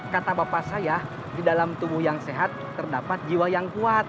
kata bapak saya di dalam tubuh yang sehat terdapat jiwa yang kuat